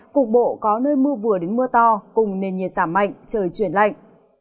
cục bộ có nơi mưa vừa đến mưa to cùng nền nhiệt giảm mạnh trời chuyển lạnh